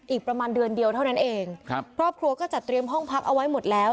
อีกประมาณเดือนเดียวเท่านั้นเองครับครอบครัวก็จัดเตรียมห้องพักเอาไว้หมดแล้ว